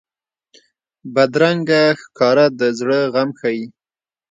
بدرنګه ښکاره د زړه غم ښيي